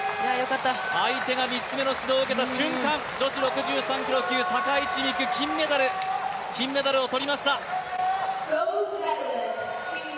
相手が３つ目の指導を受けた瞬間女子６３キロ級、高市未来、金メダルを取りました。